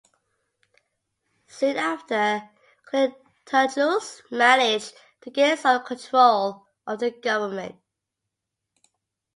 Soon after, Cleitarchus managed to gain sole control of the government.